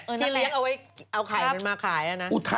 ที่เลี้ยงเอาไว้เอาไข่มันมาขายนะ